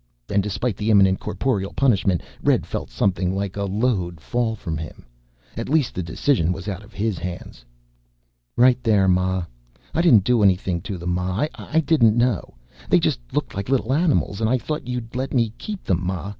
And despite the imminent corporal punishment, Red felt something like a load fall from him. At least the decision was out of his hands. "Right there, ma. I didn't do anything to them, ma. I didn't know. They just looked like little animals and I thought you'd let me keep them, ma.